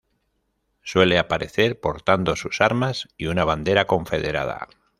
Suele aparecer portando sus armas y una bandera confederada.